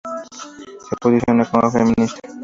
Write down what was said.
Se posiciona como feminista.